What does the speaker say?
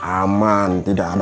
aman tidak ada aceh